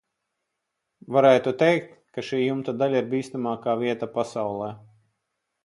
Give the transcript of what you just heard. Varētu teikt, ka šī jumta daļa ir bīstamākā vieta pasaulē.